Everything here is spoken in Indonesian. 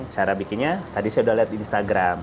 cara bikinnya tadi saya sudah lihat di instagram